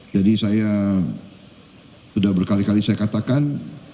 jadi saya sudah berkali kali saya katakan